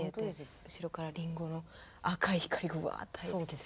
後ろからリンゴの赤い光がわっと入ってきて。